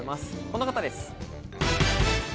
この方です。